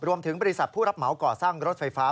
บริษัทผู้รับเหมาก่อสร้างรถไฟฟ้า